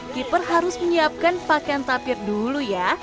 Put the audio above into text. keeper harus menyiapkan pakaian tapir dulu ya